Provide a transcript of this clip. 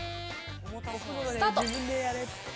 スタート。